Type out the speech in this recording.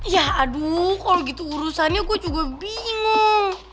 ya aduh kalau gitu urusannya gue juga bingung